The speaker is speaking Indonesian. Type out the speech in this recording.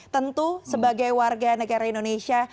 tentu sebagai warga negara indonesia